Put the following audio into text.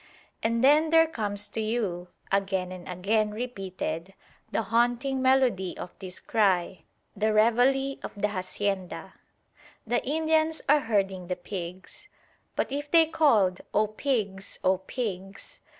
And then there comes to you, again and again repeated, the haunting melody of this cry, the reveille of the hacienda. The Indians are herding the pigs; but if they called "O pigs! O pigs!"